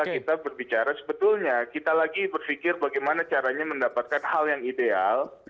kita berbicara sebetulnya kita lagi berpikir bagaimana caranya mendapatkan hal yang ideal